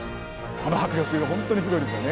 この迫力ほんとにすごいですよね